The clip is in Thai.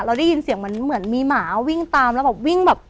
ได้ยินเสียงเหมือนมีหมาวิ่งตามแล้วแบบวิ่งแบบ